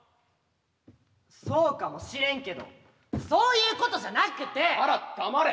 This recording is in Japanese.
そうかもしれんけどそういうことじゃなくて！なら黙れ。